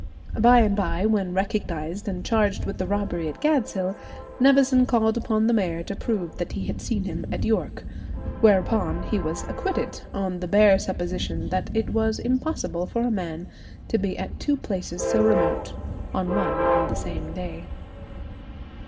By and by, when recognized and charged with the robbery at Gadshill, Nevison called upon the mayor to prove that he had seen him at York; whereupon he was acquitted, "on the bare supposition that it was impossible for a man to be at two places so remote on one and the same day."